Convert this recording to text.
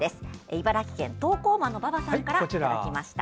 茨城県、投稿魔のばばさんからいただきました。